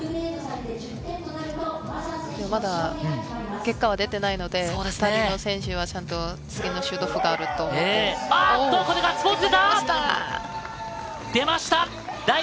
まだ結果は出ていないので、２人の選手は次のシュートオフがあると思って。